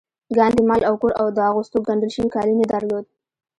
ګاندي مال او کور او د اغوستو ګنډل شوي کالي نه درلودل